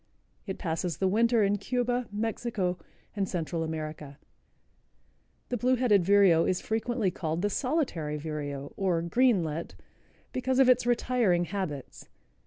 It passes the winter in Cuba, Mexico and Central America. The Blue headed Vireo is frequently called the Solitary Vireo, or Greenlet, because of its retiring habits.